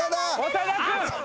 長田君。